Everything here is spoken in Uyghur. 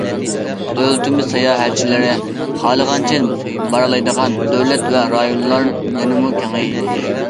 دۆلىتىمىز ساياھەتچىلىرى خالىغانچە بارالايدىغان دۆلەت ۋە رايونلار يەنىمۇ كېڭەيدى.